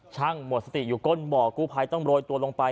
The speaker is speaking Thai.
หมดสติอยู่ก้นบ่อกู้ภัยต้องโรยตัวลงไป